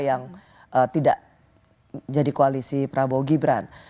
yang tidak jadi koalisi prabowo gibran